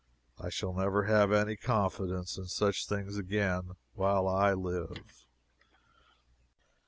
I shall never have any confidence in such things again while I live.